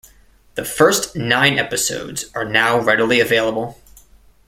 The first nine episodes are now readily available.